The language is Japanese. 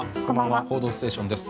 「報道ステーション」です。